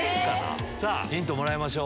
ヒントもらいましょう。